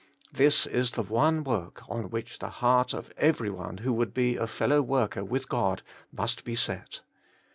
This is the one work on which the heart of every one who w^ould be a fellow worker with God must be set.